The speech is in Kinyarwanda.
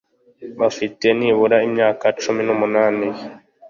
bafite nibura imyaka cumi n’ umunani